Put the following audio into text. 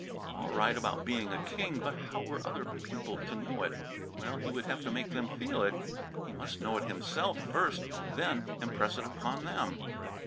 All right about being a king, but how were other people to know it? Well, he would have to make them feel it. He must know it himself, first; then impress it upon them.